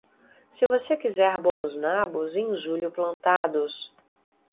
Se você quiser bons nabos, em julho plantados.